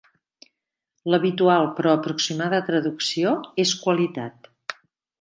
L'habitual però aproximada traducció és "qualitat".